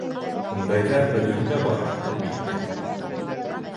Ундайҙар бөгөн дә бар, әлбиттә.